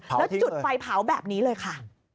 แล้วจุดไฟเผาแบบนี้เลยค่ะ